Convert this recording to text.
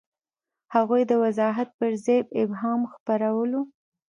هغوی د وضاحت پر ځای ابهام خپرولو.